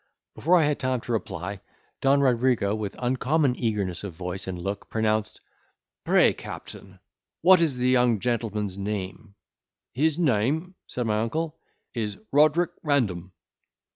Before I had time to reply, Don Rodrigo, with uncommon eagerness of voice and look, pronounced, "Pray, captain, what is the young gentleman's name?" "His name," said my uncle, "is Roderick Random."